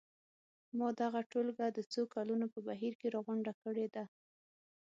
ما دغه ټولګه د څو کلونو په بهیر کې راغونډه کړې ده.